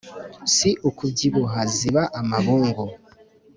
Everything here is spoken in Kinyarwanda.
si ukubyibuha ziba amabungu.